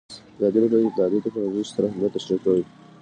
ازادي راډیو د اطلاعاتی تکنالوژي ستر اهميت تشریح کړی.